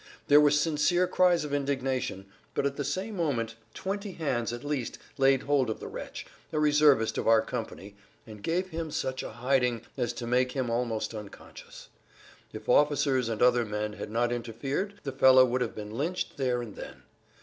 There were sincere cries of indignation, but at the same[Pg 26] moment twenty hands at least laid hold of the wretch, a reservist of our company, and gave him such a hiding as to make him almost unconscious. If officers and other men had not interfered the fellow would have been lynched there and then.